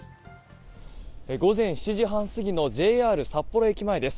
午前７時半過ぎのＪＲ札幌駅前です。